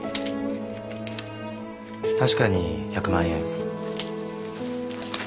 確かに１００万円。